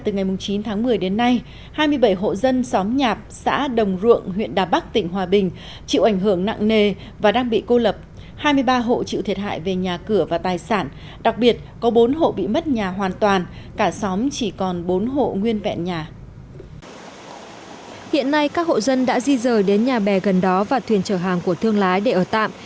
người đến nhà bè gần đó và thuyền chở hàng của thương lái để ở tạm